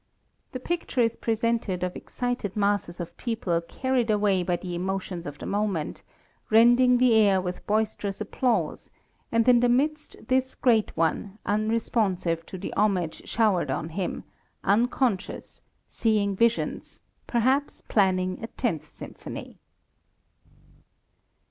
The picture is presented of excited masses of people carried away by the emotions of the moment, rending the air with boisterous applause, and in the midst this great one, unresponsive to the homage showered on him, unconscious, seeing visions, perhaps planning a Tenth Symphony.